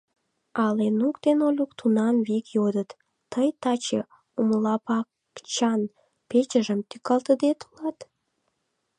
А Ленук ден Олюк тунам вик йодыт: «Тый таче умлапакчан печыжым тӱкалтыде толат?»